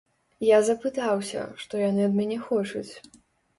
Я запытаўся, што яны ад мяне хочуць.